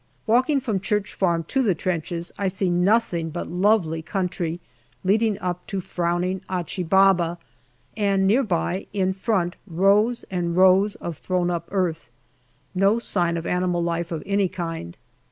Walking from Church Farm to the trenches, I see nothing but lovely country leading up to frowning Achi Baba, and near by, in front, rows and rows of thrown up earth. No sign of animal life of any kind.